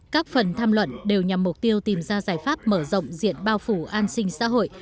các phần tham luận đều nhằm mục tiêu tìm ra giải pháp mở rộng diện bao phủ an sinh xã hội